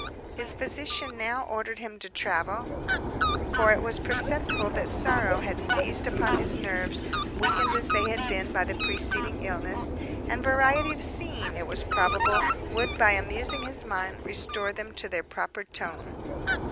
His physician now ordered him to travel; for it was perceptible that sorrow had seized upon his nerves, weakened as they had been by the preceding illness; and variety of scene, it was probable, would, by amusing his mind, restore them to their proper tone.